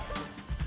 terima kasih pak